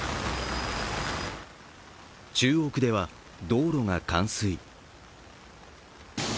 中央区では、道路が冠水。